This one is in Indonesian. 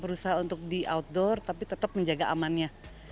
berusaha untuk di outdoor tapi tetap menjaga amannya